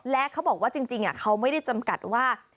และเขาบอกว่าจริงเขาไม่ได้จำกัดว่า